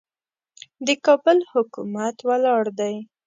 د کابل حکومت ولاړ دی.